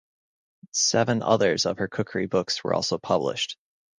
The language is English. Seven others of her cookery books were also published.